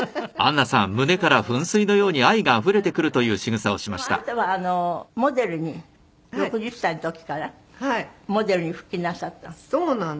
でもあなたはモデルに６０歳の時からモデルに復帰なさったの？